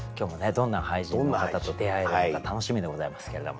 どんな俳人の方と出会えるのか楽しみでございますけれども。